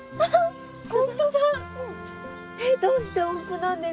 どうして音符なんですか？